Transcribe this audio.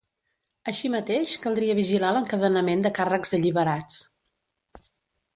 Així mateix caldria vigilar l’encadenament de càrrecs alliberats.